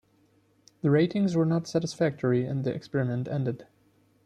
The ratings were not satisfactory, and the experiment ended.